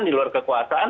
di luar kekuasaan